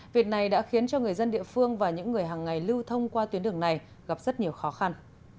việc này đã khiến cho người dân địa phương và những người hàng ngày lưu thông qua tuyến đường này gặp rất nhiều khó khăn